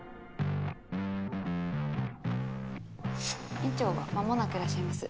院長は間もなくいらっしゃいます。